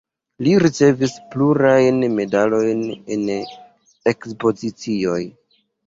Li ricevis plurajn medalojn en ekspozicioj.